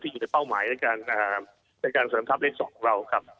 อยู่ในเป้าหมายในการเสริมทัพเลข๒ของเราครับ